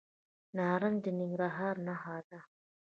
نارنج د ننګرهار نښه ده.